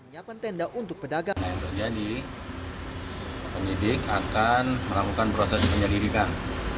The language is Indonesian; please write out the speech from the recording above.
yang terjadi pendidik akan melakukan proses penyelidikan